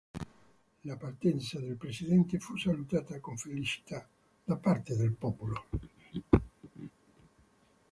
La partenza del presidente fu salutata con felicità da parte del popolo.